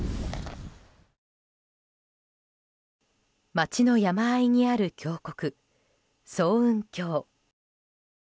町の山あいにある峡谷層雲峡。